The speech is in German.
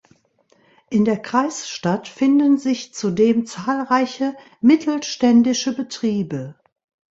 In der Kreisstadt finden sich zudem zahlreiche mittelständische Betriebe.